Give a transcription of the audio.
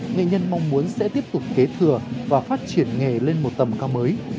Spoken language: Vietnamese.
nghệ nhân mong muốn sẽ tiếp tục kế thừa và phát triển nghề lên một tầm cao mới